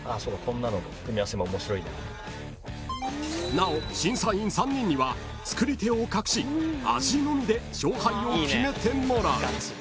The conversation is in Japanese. ［なお審査員３人には作り手を隠し味のみで勝敗を決めてもらう］